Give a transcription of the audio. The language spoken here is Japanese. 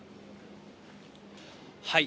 はい。